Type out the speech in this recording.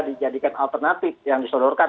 dijadikan alternatif yang disodorkan